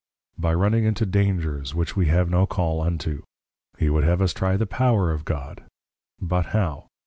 By running into Dangers, which we have no call unto. He would have us trie the Power of God; but how?